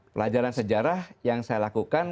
pelajaran sejarah yang saya lakukan